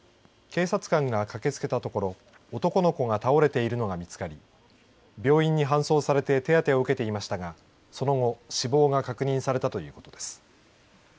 警察官が駆けつけたところ男の子が倒れているのが見つかり病院に搬送されて手当てを受けていましたがその後、死亡が確認されたということです。